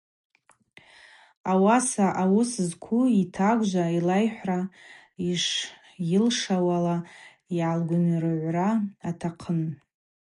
Ауаса ауыс зкву йтагвжва йлайхӏвра, йшйылшауала йгӏалгвынйыргӏвра атахъын.